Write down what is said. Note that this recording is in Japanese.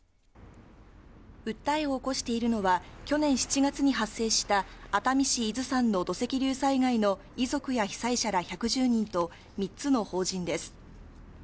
訴えを起こしているのは、去年７月に発生した熱海市伊豆山の土石流災害の遺族や被災者ら１１０人と、３つの法人です。